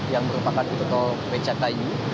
yang merupakan pintu tol becakayu